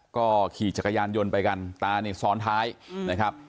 ก็ขี่จักรยานยนต์ไปกันตานี่ซ้อนท้ายนะครับ